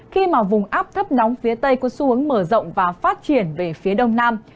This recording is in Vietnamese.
khi mà vùng áp thấp nóng phía tây có xu hướng mở rộng và phát triển về phía đông nam